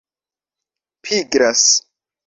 pigras